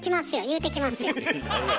言うてきますよ。